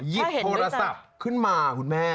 หยิบโทรศัพท์ขึ้นมาคุณแม่